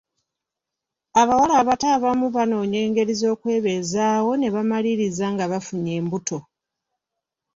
Abawala abato abamu banoonya engeri z'okwebeezaawo ne bamaliriza nga bafunye embuto.